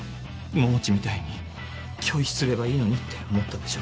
桃地みたいに拒否すればいいのにって思ったでしょ。